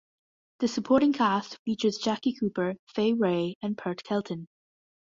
The supporting cast features Jackie Cooper, Fay Wray and Pert Kelton.